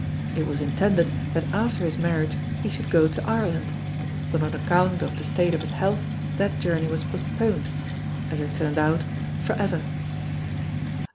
It was intended that after his marriage he should go to Ireland; but on account of the state of his health that journey was postponed as it turned out, for ever.